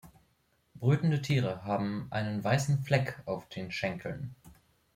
Brütende Tiere haben einen weißen Fleck auf den Schenkeln.